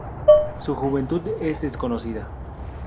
Su juventud es desconocida.